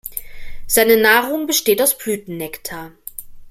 Seine Nahrung besteht aus Blütennektar.